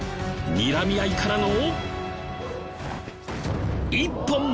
にらみ合いからの。